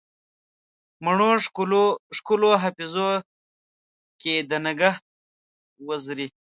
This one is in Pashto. د مڼو ښکلو حافظو کې دنګهت وزرې